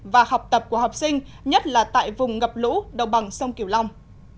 và học tập của học sinh nhất là tại vùng ngập lũ đầu bằng sông kiều long